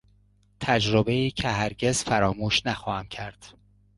تجربهای که هرگز فراموش نخواهم کرد